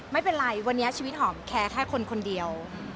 ไม่เป็นไรวันนี้ชีวิตหอมแค่คนคนเดียว